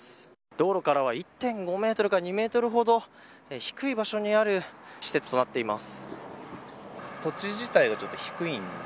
道路からは１．５メートルから２メートルほど低い場所にある施設となっています。